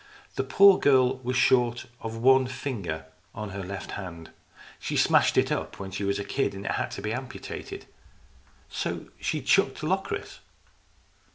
The poor girl was short of one finger on her left hand. She smashed it up when she was a kid, and it had to be amputated." " So she chucked Locris